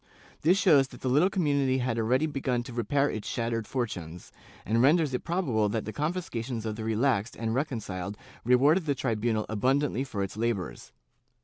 ^ This shows that the little community had already begun to repair its shat tered fortunes, and renders it probable that the confiscations of the relaxed and reconciled rewarded the tribunal abundantly for its labors.